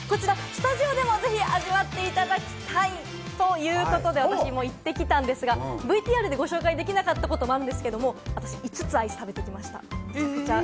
こちらスタジオでもぜひ味わっていただきたいということで、私も行ってきたんですが、ＶＴＲでご紹介できなかったものもあるんですが、私５つアイス食べてきました。